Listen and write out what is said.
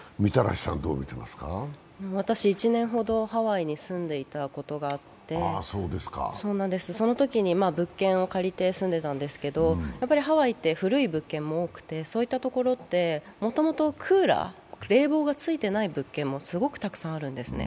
私、１年ほどハワイに住んでいたことがあって、そのときに物件を借りて住んでいたんですけどやはりハワイって古い物件も多くてそういうところってもともとクーラー、冷房がついていない物件もすごくたくさんあるんですね。